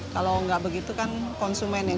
kalau tidak begitu konsumen